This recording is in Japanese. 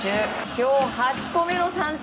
今日８個目の三振！